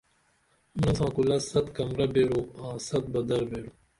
مرنگ ساں کُلہ ست کمرہ بیرو آں ست بہ درر بیرو